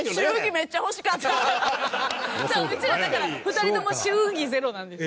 うちらだから２人とも祝儀ゼロなんですよ。